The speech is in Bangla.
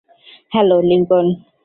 Hello, Lincoln.